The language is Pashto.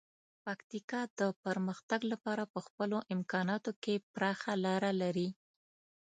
پکتیکا د پرمختګ لپاره په خپلو امکاناتو کې پراخه لاره لري.